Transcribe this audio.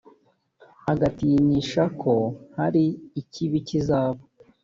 agatinyisha ko hari ikibi kizaba